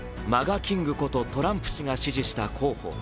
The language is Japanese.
キングこと、トランプ氏が支持した候補。